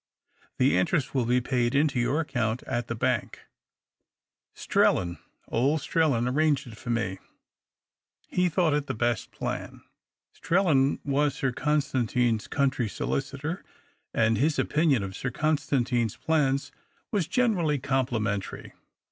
The interest will be paid into your account at the bank. Strellan, old Strellan, arranged it for me. He thought it the best plan." i THE OCTAVE OP CLAUDIUS. 283 Strellan was Sir Constantine's country solicitor, and his opinion of Sir Constantine's plans was generally complimentary.